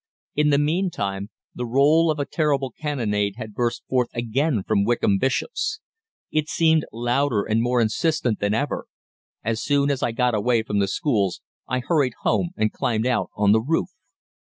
In the meantime the roll of a terrible cannonade had burst forth again from Wickham Bishops. It seemed louder and more insistent than ever. As soon as I got away from the schools I hurried home and climbed out on the roof.